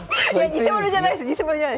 偽者じゃないです。